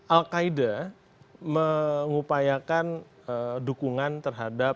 al qaeda mengupayakan dukungan terhadap